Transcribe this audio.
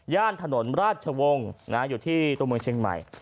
ถนนราชวงศ์อยู่ที่ตัวเมืองเชียงใหม่